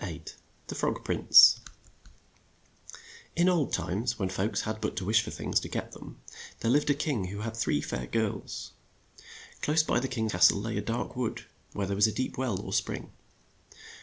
42 THE FROG PRINCE N OLD times, when folks had but to wish for things to get them, there lived a king who had three fair girls. Close by the king's cas tle lay a dark wood where there was a deep well or spring.